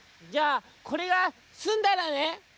「じゃあこれがすんだらね」。